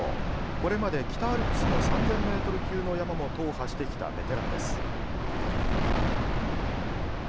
これまで北アルプスの３０００ｍ級の山も踏破してきたベテランです。